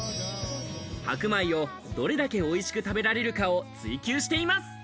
白米をどれだけ美味しく食べられるかを追求しています。